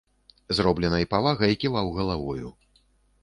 З робленай павагай ківаў галавою.